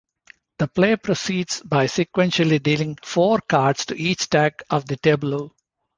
The play proceeds by sequentially dealing four cards to each stack of the tableau.